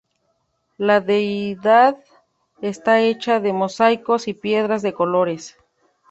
La deidad está hecha de mosaicos y piedras de colores.